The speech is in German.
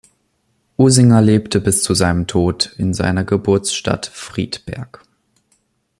Usinger lebte bis zu seinem Tod in seiner Geburtsstadt Friedberg.